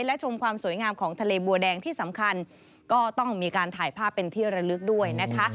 และชมความสวยงามของทะเลบัวแดงที่สำคัญก็ต้องมีการถ่ายภาพเป็นที่ระลึกด้วยนะคะ